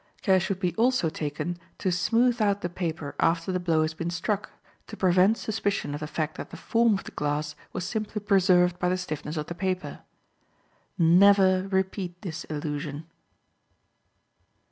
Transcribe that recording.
Care should be also taken to smooth out the paper after the blow has been struck, to prevent suspicion of the fact that the form of the glass was simply preserved by the stiffness of the paper. Never repeat this illusion.